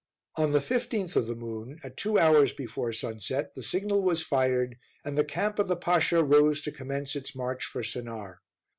On the 15th of the moon, at two hours before sunset, the signal was fired, and the camp of the Pasha rose to commence its march for Sennaar.